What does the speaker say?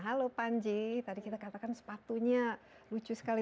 halo panji tadi kita katakan sepatunya lucu sekali